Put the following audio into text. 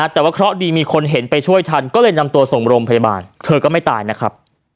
แต่ว่าเคราะห์ดีมีคนเห็นไปช่วยทันก็เลยนำตัวส่งโรงพยาบาลเธอก็ไม่ตายนะครับ